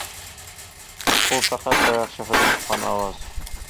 ئۇ پەقەت دەرەخ شېخىدىن چىققان ئاۋاز.